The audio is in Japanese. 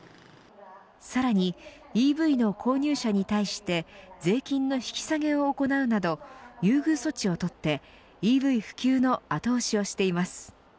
さらにＥＶの購入者に対して税金の引き下げを行うなど優遇措置をとってＥＶ普及の後押しをしています。